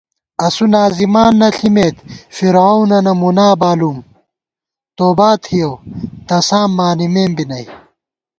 اسُو ناظمان نہ ݪِمېت فرعونَنہ مُنا بالُوم توباتِھیَؤ تساں بانِمېم بی نئ